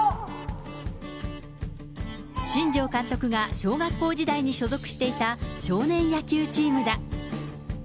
新庄監督が小学校時代に所属していた少年野球チームだ。